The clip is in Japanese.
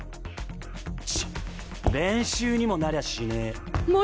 ちっ練習にもなりゃしねぇ。